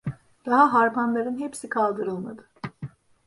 Daha harmanların hepsi kaldırılmadı.